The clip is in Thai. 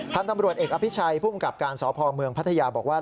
พันธ์ตำรวจเอกอภิชัยผู้กรรมการสพพัทยาบอกว่า